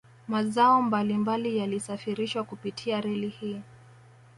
Mazao mbali mbali yalisafirishwa kupitia reli hii